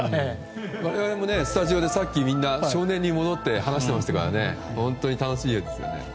我々もスタジオでみんな、さっき少年に戻って話していましたから本当に楽しいですね。